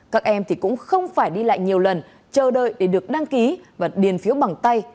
các em thì cũng không phải đi lại nhiều lần chờ đợi để được đăng ký và điền phiếu bằng tay